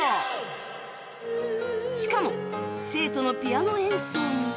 しかも生徒のピアノ演奏に